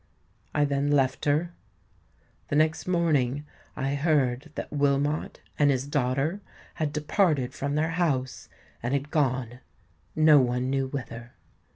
I then left her. The next morning I heard that Wilmot and his daughter had departed from their house, and had gone—no one knew whither.